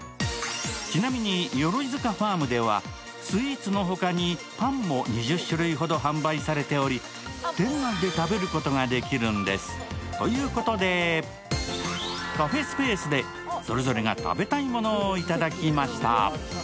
ちなみにＹｏｒｏｉｚｕｋａＦａｒｍではスイーツのほかにパンも２０種類ほど販売されており、店内で食べることができるんです。ということでカフェスペースでそれぞれが食べたいものをいただきました。